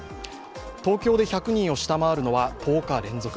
東京で１００人を下回るのは１０日連続。